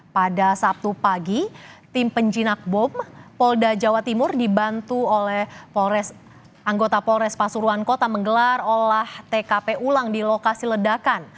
pada sabtu pagi tim penjinak bom polda jawa timur dibantu oleh anggota polres pasuruan kota menggelar olah tkp ulang di lokasi ledakan